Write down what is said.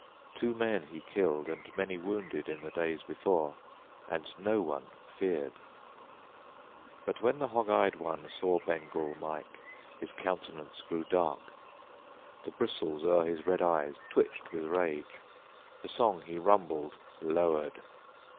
Two men he killed And many wounded in the days before, And no one feared. But when the hog eyed one Saw Bengal Mike his countenance grew dark, The bristles o'er his red eyes twitched with rage, The song he rumbled lowered.